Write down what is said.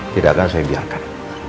tidak akan saya biarkan